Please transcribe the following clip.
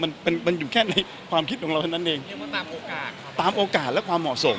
มันอยู่แค่ในความคิดของเรานั่นเองตามโอกาสและความเหมาะสม